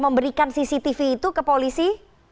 memberikan cctv itu ke polisi